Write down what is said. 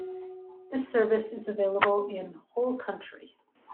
This service is available in whole country.